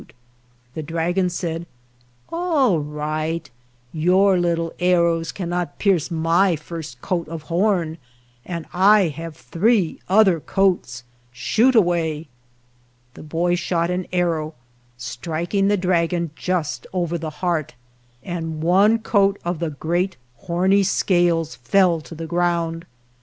The dragon said, "All right; your little arrows cannot pierce my first coat of horn, and I have three other coats — shoot away." The boy shot an ar row, striking the dragon just over the heart, and one coat of the great horny scales fell to f e ground.